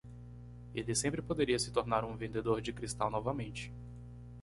Ele sempre poderia se tornar um vendedor de cristal novamente.